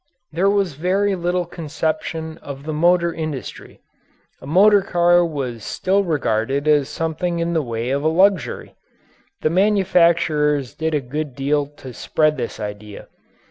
There was very little conception of the motor industry. A motor car was still regarded as something in the way of a luxury. The manufacturers did a good deal to spread this idea.